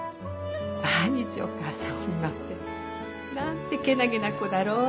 毎日お母さんを見舞ってなんてけなげな子だろうって。